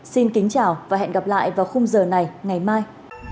xin kính chào và hẹn gặp lại vào khung giờ này ngày mai